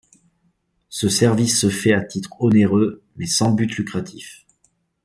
Ce service se fait à titre onéreux, mais sans but lucratif.